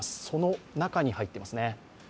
その中に入っています